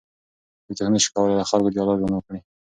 هیڅوک نسي کولای له خلکو جلا ژوند وکړي.